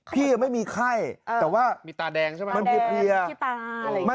พี่รอบไม่มีไข้แต่ว่ามีเปลี่ยว